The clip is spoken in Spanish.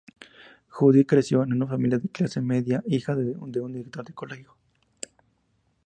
Judit creció en una familia de clase media, hija de un director de colegio.